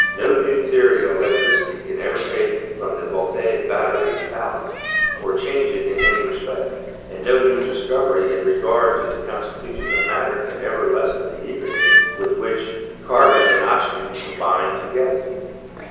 No new theory of electricity can ever take away from the voltaic battery its power, or change it in any respect, and no new discovery in regard to the constitution THE SEVEN FOLLIES OF SCIENCE 5 of matter can ever lessen the eagerness with which carbon and oxygen combine together.